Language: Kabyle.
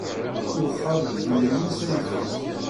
Iwexxer lbiru-nni s ayeffus.